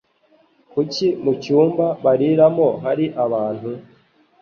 Kuki mu cyumba bariramo hari abantu?